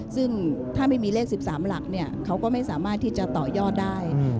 ซึ่งถ้าไม่มีเลข๑๓หลักเขาก็ไม่สามารถที่จะต่อยอดได้